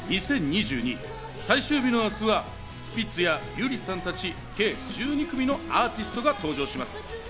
最終日の明日はスピッツや優里さんたち合計１２組のアーティストが登場します。